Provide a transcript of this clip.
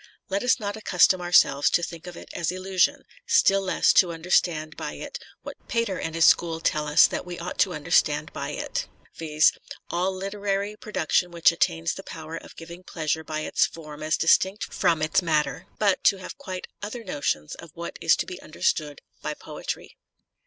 Let us not accustom ourselves to think of it as illusion, still less to understand by it what Pater and his school tell us that we ought to understand by it, viz. " all literary production which attains the power of giving pleasure by its form as distinct from it§ matter," but to have quite other notions of what is to be understood by poetry.